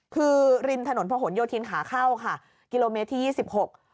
คือริมถนนพะหนโยธินขาเข้าค่ะกิโลเมตรที่ยี่สิบหก